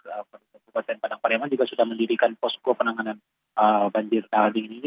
kabupaten padang pariaman juga sudah mendirikan posko penanganan banjir kalding ini